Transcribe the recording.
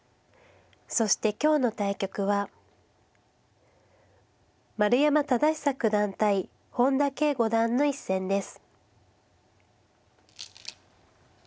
そして今日の対局は丸山忠久九段対本田奎五段の一戦です。